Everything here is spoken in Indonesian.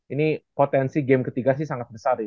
ini potensi game ketiga sih sangat besar ya